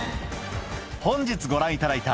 本日ご覧いただいた